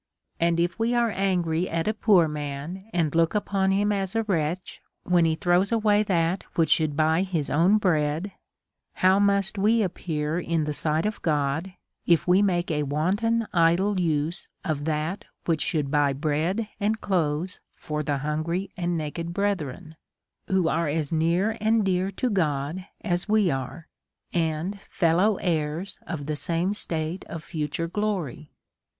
And if we are angry at a poor man, and look upon him as a wretch, when he throws away that which should buy his own bread, how must we appear in the sight of God, if we make a wanton idle use of that which would buy bread and clothes for the hungry and naked brethren, who are as near and as dear to God as we are, and fellow heirs of the same state of future glory